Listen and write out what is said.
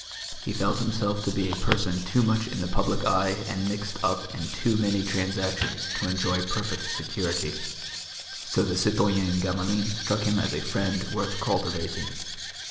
He felt himself to be a person too much in the public eye and mixed up in too many transactions to enjoy perfect security; so the citoyen Gamelin struck him as a friend worth cultivating.